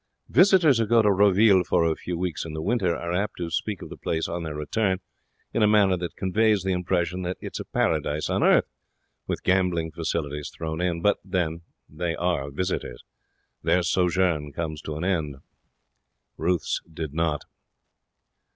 Visitors who go to Roville for a few weeks in the winter are apt to speak of the place, on their return, in a manner that conveys the impression that it is a Paradise on earth, with gambling facilities thrown in. But, then, they are visitors. Their sojourn comes to an end. Ruth's did not.